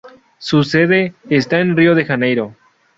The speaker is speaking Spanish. Su sede está en Río de Janeiro.